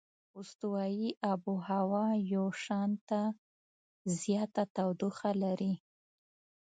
استوایي آب هوا یو شانته زیاته تودوخه لري.